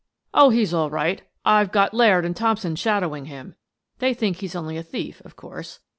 " Oh, he's all right! I've got Laird and Thomp son shadowing him. They think he's only a thief, of course."